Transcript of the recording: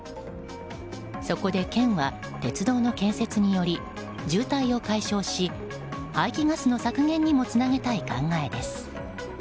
そこで県は鉄道の建設により渋滞を解消し排気ガスの削減にもつなげたい考えです。